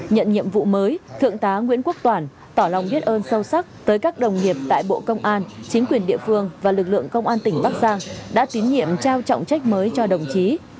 nhận nhiệm vụ mới thượng tá nguyễn quốc toản tỏ lòng biết ơn sâu sắc tới các đồng nghiệp tại bộ công an chính quyền địa phương và lực lượng công an tỉnh bắc giang đã tín nhiệm trao trọng trách mới cho đồng chí